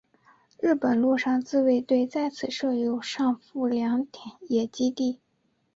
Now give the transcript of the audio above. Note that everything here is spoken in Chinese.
日本陆上自卫队在此设有上富良野基地。